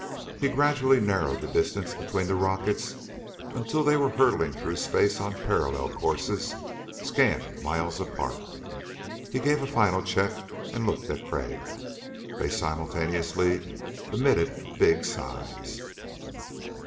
He gradually narrowed the distance between the rockets until they were hurtling through space on parallel courses scant miles apart. He gave a final check and looked at Crag. They simultaneously emitted big sighs.